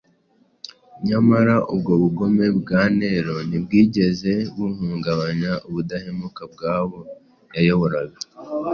Nyamara ubwo bugome bwa Nero ntibwigeze buhungabanya ubudahemuka bw’abo yayoboraga.